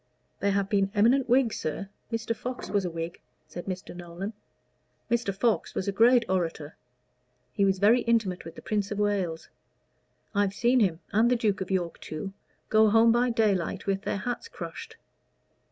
"There have been eminent Whigs, sir. Mr. Fox was a Whig," said Mr. Nolan. "Mr. Fox was a great orator. He was very intimate with the Prince of Wales. I've seen him, and the Duke of York too, go home by daylight with their hats crushed.